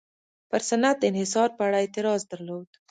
پر صنعت د انحصار په اړه اعتراض درلود.